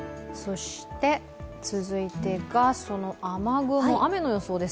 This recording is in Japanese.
続いてが雨雲、雨の予想です。